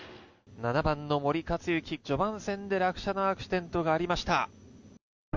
７番の森且行、序盤戦で落車のアクシデントがありました。